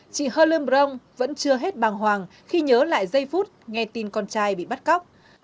chị hơ lươm brong vẫn chưa hết bàng hoàng khi nhớ lại giây phút nghe tin con trai bị bắt cóc